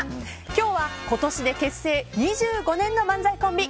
今日は今年で結成２５年の漫才コンビ